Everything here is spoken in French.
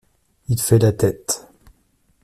Il fait la tête.